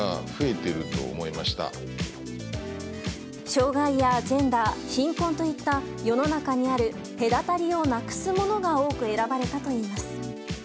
障害やジェンダー貧困といった世の中にある隔たりをなくすものが多く選ばれたといいます。